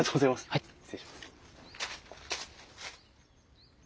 はい失礼します。